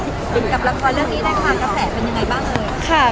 ถึงกับละครเลือกนี้ได้ความกัมแสเป็นยังไงบ้าง